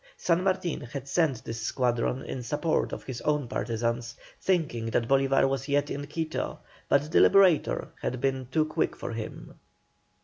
San Martin had sent this squadron in support of his own partisans, thinking that Bolívar was yet in Quito, but the Liberator had been too quick for him.